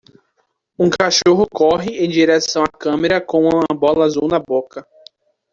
Um cachorro corre em direção à câmera com uma bola azul na boca.